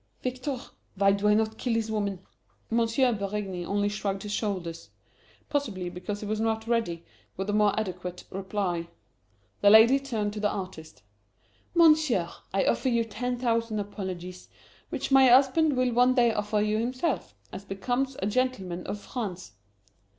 "Victor, why do I not kill this woman?" M. Berigny only shrugged his shoulders. Possibly because he was not ready with a more adequate reply. The lady turned to the artist. "Monsieur, I offer you ten thousand apologies, which my husband will one day offer you himself, as becomes a gentleman of France."